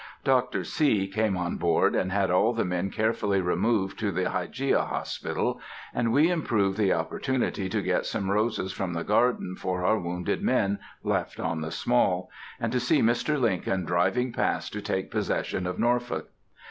Dr. C. came on board and had all the men carefully removed to the Hygeia Hospital, and we improved the opportunity to get some roses from the garden for our wounded men left on the Small, and to see Mr. Lincoln driving past to take possession of Norfolk.